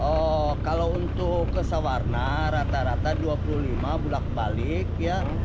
oh kalau untuk ke sawarna rata rata dua puluh lima bulat balik ya